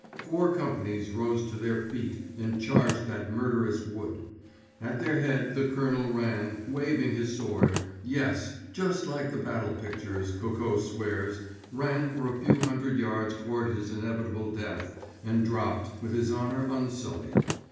Four companies rose to their feet and charged that murderous wood. At their head the colonel ran, waving his sword—yes, just like the battle pictures, Coco swears—ran for a few hundred yards toward his inevitable death, and dropped—with his honor unsullied.